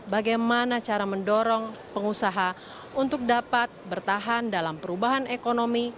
bagaimana cara mendorong pengusaha untuk dapat bertahan dalam perubahan ekonomi